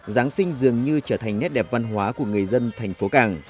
giáng sinh dường như trở thành nét đẹp văn hóa của người dân thành phố cảng